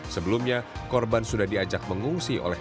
sebelumnya korban sudah diajak mengungsi oleh